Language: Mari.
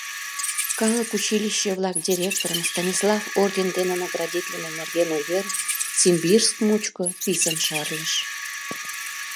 Калык училище-влак директорым Станислав орден дене наградитлыме нерген увер Симбирск мучко писын шарлыш.